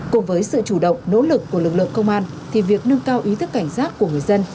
cùng với sự chủ động nỗ lực của lực lượng công an thì việc nâng cao ý thức cảnh giác của người dân